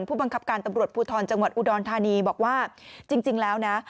ผู้บังคับการตำรวจภูทรจังหวัดอุดรธานีบอกว่าจริงแล้วนะ